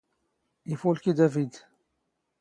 ⵉⴼⵓⵍⴽⵉ ⴷⴰⴼⵉⴷ.